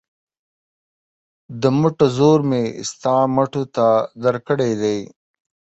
د مټو زور مې ستا مټو ته درکړی دی.